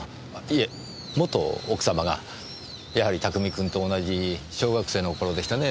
いえ元奥様がやはり拓海君と同じ小学生の頃でしたね